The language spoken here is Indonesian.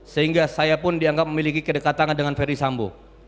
sehingga saya pun dianggap memiliki kedekatan dengan feri sambo